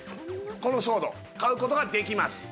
このソード買うことができます